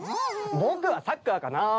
僕はサッカーかな！